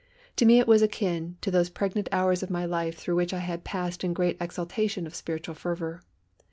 To me it was akin to those pregnant hours of my life through which I had passed in great exaltation of spiritual fervour.